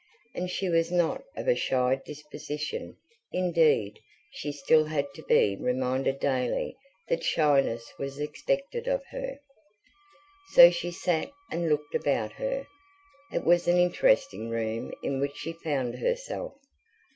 And she was not of a shy disposition; indeed, she still had to be reminded daily that shyness was expected of her. So she sat and looked about her. It was an interesting room in which she found herself.